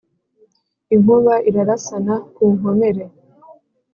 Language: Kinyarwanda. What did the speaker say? inkuba irarasana ku nkomere.